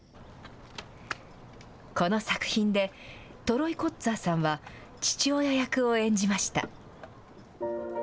この作品で、トロイ・コッツァーさんは、父親役を演じました。